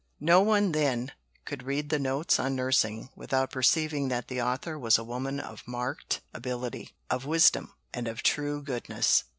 No one, then, could read the Notes on Nursing without perceiving that the author was a woman of marked ability, of wisdom, and of true goodness.